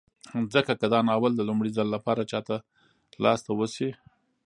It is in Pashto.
ځکه که دا ناول د لومړي ځل لپاره چاته لاس ته وشي